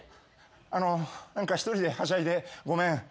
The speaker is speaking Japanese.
あの何か１人ではしゃいでごめん。